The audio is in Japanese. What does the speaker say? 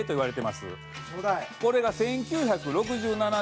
これが１９６７年。